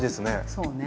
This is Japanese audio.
そうね。